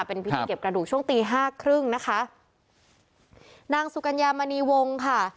เป็นพิธีเก็บกระดูกช่วงตีห้าครึ่งนะคะนางสุกัญญามณีวงค่ะ